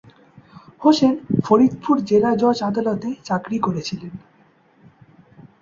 হোসেন ফরিদপুর জেলা জজ আদালতে চাকরি করেছিলেন।